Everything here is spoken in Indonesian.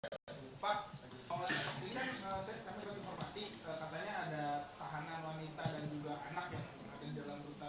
katanya ada tahanan wanita dan juga anak yang berada di dalam rutan makobrim itu katanya bisa nggak